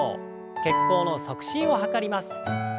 血行の促進を図ります。